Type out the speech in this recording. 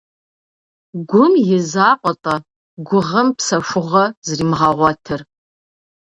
Гум и закъуэ-тӏэ гугъэм псэхугъуэ зримыгъэгъуэтыр?